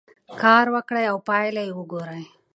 کار وکړئ او پایله یې وګورئ.